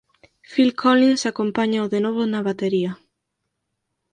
Phil Collins acompáñao de novo na batería.